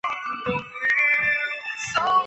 生物医学科学背景